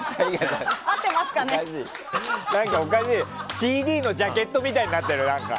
ＣＤのジャケットみたいになってる。